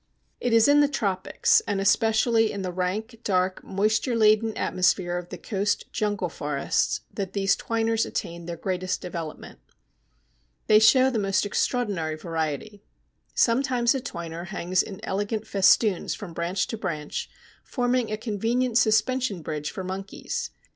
It is in the tropics, and especially in the rank, dark, moisture laden atmosphere of the coast jungle forests, that these twiners attain their greatest development. They show the most extraordinary variety. Sometimes a twiner hangs in elegant festoons from branch to branch, forming a convenient suspension bridge for monkeys.